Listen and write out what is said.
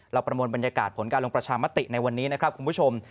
ประมวลบรรยากาศผลการลงประชามติในวันนี้นะครับคุณผู้ชม